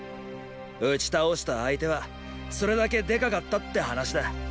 打ち倒した相手はそれだけでかかったって話だ。